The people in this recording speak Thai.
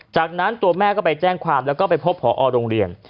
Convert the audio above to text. จากนั้นตัวแม่ก็ไปแจ้งความแล้วก็ไปพบผอโรงเรียน